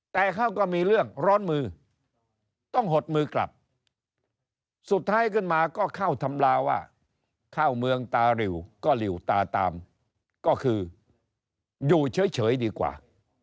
แต่เขาก็มีเรื่องร้อนมือต้องหดมือกลับสุดท้ายขึ้นมาก็เข้าทำลาว่าเข้าเมืองตาริวก็หลิวตาตามก็คืออยู่เฉยดีกว่า